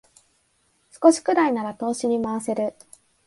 少しくらいなら投資に回せる